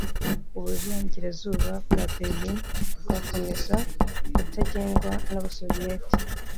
Uburengerazuba bwa Berlin bwakomeza kutagengwa n'abasoviyeti.